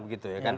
gitu ya kan